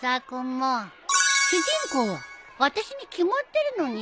主人公はあたしに決まってるのにさ。